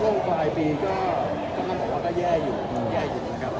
วันเกิดนี้แขนาเป็นไหนนะครับ